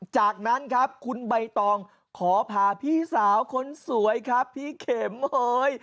จากนั้นครับคุณใบตองขอพาพี่สาวคนสวยครับพี่เข็มเอ้ย